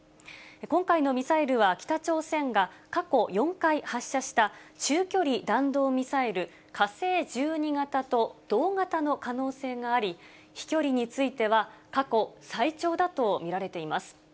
今回のミサイルは、北朝鮮が過去４回発射した中距離弾道ミサイル火星１２型と同型の可能性があり、飛距離については、過去最長だと見られています。